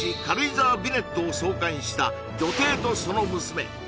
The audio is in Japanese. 「軽井沢ヴィネット」を創刊した女帝とその娘